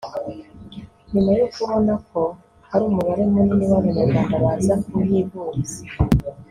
nyuma yo kubona ko hari umubare munini w’abanyarwanda baza kuhivuriza